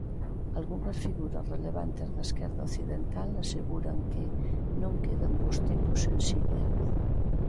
Algunhas figuras relevantes da esquerda occidental aseguran que "non quedan bos tipos en Siria".